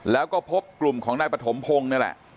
แล้วก็พบกลุ่มของนายปฐมพงศ์นี่แหละ